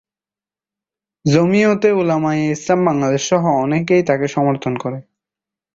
জমিয়তে উলামায়ে ইসলাম বাংলাদেশ সহ অনেকেই তাকে সমর্থন করে।